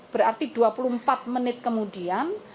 berarti dua puluh empat menit kemudian